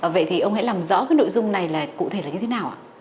vậy thì ông hãy làm rõ nội dung này cụ thể là như thế nào ạ